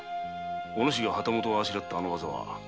お主が旗本をあしらったあの技は関口流の柔術。